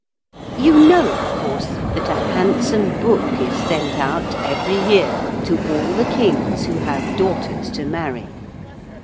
You know, of course, that a handsome book is sent out every year to all the kings who have daughters to marry.